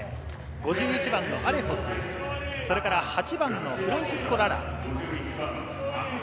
５１番のアレホス、８番のフランシスコ・ララ。